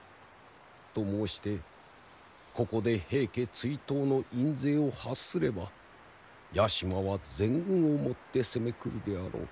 と申してここで平家追討の院宣を発すれば屋島は全軍をもって攻めくるであろう。